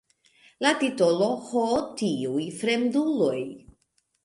La titolo "Ho, tiuj fremduloj!